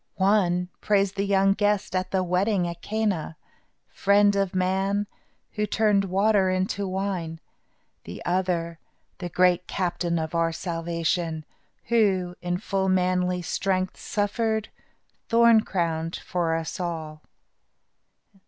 One praised the young guest at the wedding at Cana, Friend of man, who turned water into wine; the other, "The Great Captain of our Salvation," who, in full manly strength, suffered, thorn crowned, for us all.